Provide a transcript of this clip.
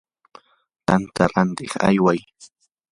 tanta rantiq ayway.